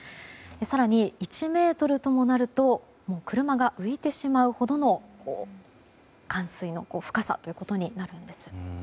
更に、１ｍともなると車が浮いてしまうほどの冠水の深さということになるんです。